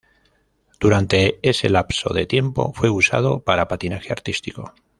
Durante ese lapso de tiempo fue usado para patinaje artístico.